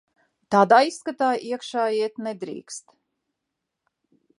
Tādā izskatā iekšā iet nedrīkst.